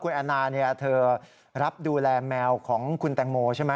คุณแอนนาเธอรับดูแลแมวของคุณแตงโมใช่ไหม